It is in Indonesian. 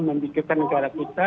membikirkan negara kita